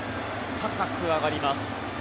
高く上がります。